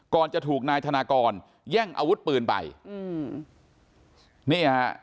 ก่อนจะถูกนายธนากรแย่งอาวุธปืนไป